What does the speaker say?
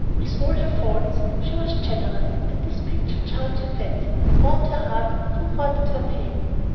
With all her faults, she was generous, and this picture charmed her fancy, warmed her heart, and comforted her pain.